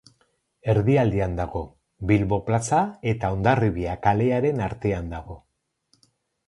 Erdialdean dago, Bilbo plaza eta Hondarribia kalearen artean dago.